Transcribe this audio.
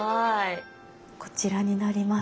こちらになります。